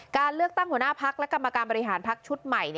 การเลือกตั้งหัวหน้าพักและกรรมการบริหารพักชุดใหม่